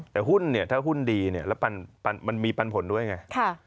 แต่หุ้นถ้าหุ้นดีมันมีปันผลด้วยไง